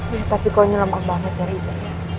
ya tapi kau nyelamat banget tuh riza